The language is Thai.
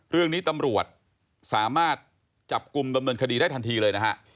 เรื่องนี้ตำรวจสามารถจับกลุ่มดำเนินคดีได้ทันทีเลยนะฮะ